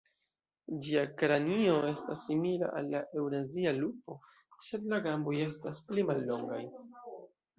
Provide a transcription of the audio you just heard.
Ĝia kranio estas simila al la eŭrazia lupo, sed la gamboj estas pli mallongaj.